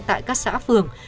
tại các xã phường